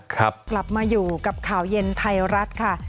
กลับมาอยู่กับข่าวเย็นไทยรัฐค่ะ